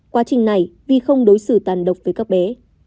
quá trình này vi không đối xử tàn độc với các bé